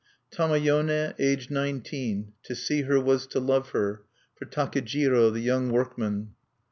_ "Tamayone, aged nineteen, to see her was to love her, for Takejiro, the young workman.